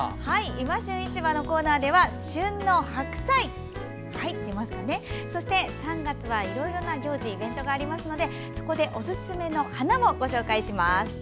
「いま旬市場」のコーナーでは旬の白菜、そして３月はいろいろな行事、イベントがありますのでそこでおすすめの花をご紹介します。